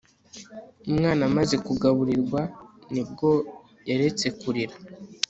umwana amaze kugaburirwa ni bwo yaretse kurira